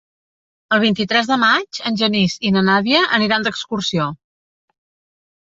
El vint-i-tres de maig en Genís i na Nàdia aniran d'excursió.